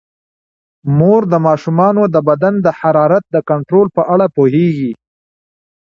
مور د ماشومانو د بدن د حرارت د کنټرول په اړه پوهیږي.